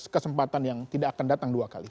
kesempatan yang tidak akan datang dua kali